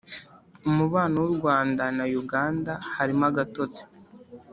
Umubano w’urwanda nayuganda harimo agatotsi